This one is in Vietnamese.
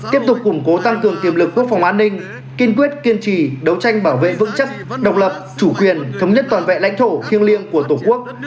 tiếp tục củng cố tăng cường tiềm lực quốc phòng an ninh kiên quyết kiên trì đấu tranh bảo vệ vững chắc độc lập chủ quyền thống nhất toàn vẹn lãnh thổ thiêng liêng của tổ quốc